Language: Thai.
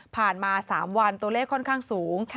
ผ่านมา๓วันตัวเลข้อนค่าสูง